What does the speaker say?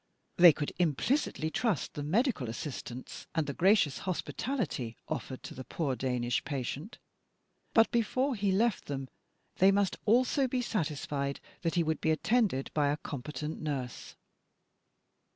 They could implicitly trust the medical assistance and the gracious hospitality offered to the poor Danish patient; but, before he left them, they must also be satisfied that he would be attended by a competent nurse.